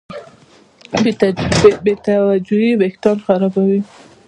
بېتوجهي وېښتيان خرابوي.